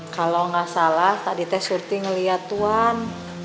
kalo gak salah tadi teh surti ngeliat tuan